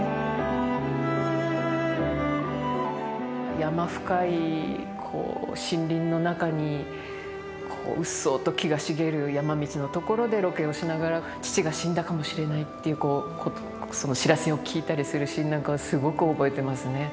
山深い森林の中にこううっそうと木が茂る山道の所でロケをしながら父が死んだかもしれないっていうその知らせを聞いたりするシーンなんかはすごく覚えてますね。